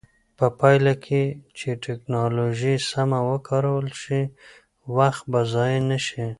په پایله کې چې ټکنالوژي سمه وکارول شي، وخت به ضایع نه شي.